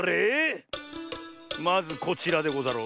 まずこちらでござろう。